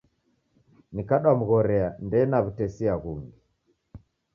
Neikadomghorea ndena w'utesia ghungi